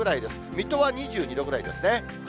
水戸は２２度ぐらいですね。